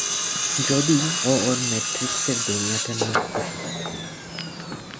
যদি ও ওর ম্যাট্রিক্সের দুনিয়াটা নিয়েই খুশি থাকে?